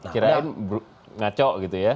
kirain ngaco gitu ya